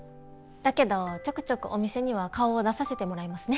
だけどちょくちょくお店には顔を出させてもらいますね。